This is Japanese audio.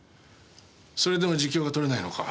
それでも自供が取れないのか。